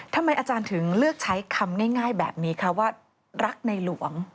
ทำไมอาจารย์ถึงเลือกใช้คำง่ายแบบนี้คะว่ารักในหลวง